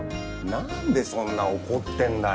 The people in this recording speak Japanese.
なんでそんな怒ってんだよ！